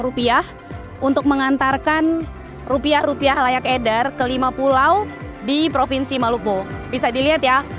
rupiah untuk mengantarkan rupiah rupiah layak edar ke lima pulau di provinsi maluku bisa dilihat ya